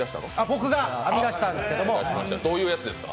僕が編み出したんです。